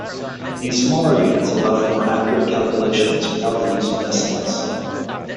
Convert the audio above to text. These smaller units allow for more accurate calculations without the use of decimals.